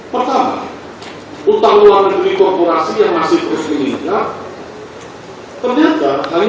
pertama utang luar negeri korporasi yang masih terus meningkat ternyata kami